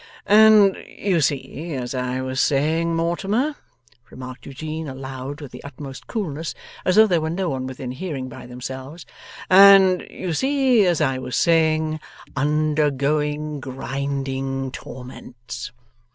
'And you see, as I was saying, Mortimer,' remarked Eugene aloud with the utmost coolness, as though there were no one within hearing by themselves: 'and you see, as I was saying undergoing grinding torments.